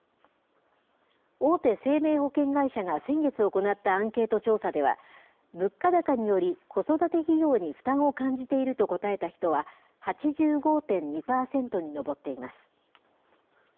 大手生命保険会社が先月行ったアンケート調査では、物価高により、子育て費用に負担を感じていると答えた人は、８５．２％に上っています。